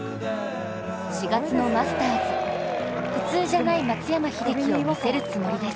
４月のマスターズ普通じゃない松山英樹を見せるつもりです。